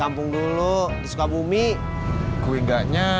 apa bro konten kan tiga ratus tujuh belas